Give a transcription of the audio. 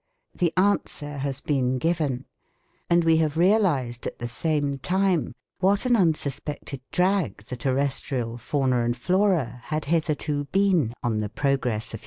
The answer has been given, and we have realised at the same time what an unsuspected drag the terrestrial fauna and flora had hitherto been on the progress of humanity.